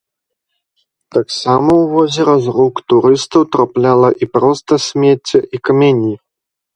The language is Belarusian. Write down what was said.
Таксама ў возера з рук турыстаў трапляла і проста смецце, і камяні.